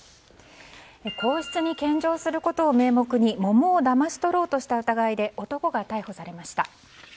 皇室に献上することを名目に桃をだまし取ろうとした疑いで男が逮捕されました。